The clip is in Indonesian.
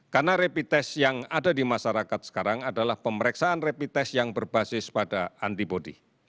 karena rapid test yang ada di masyarakat sekarang adalah pemeriksaan rapid test yang berbasis pada antibody